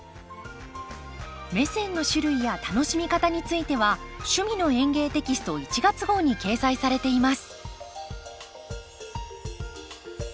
メセンの種類や楽しみ方については「趣味の園芸」テキスト１月号に掲載されています。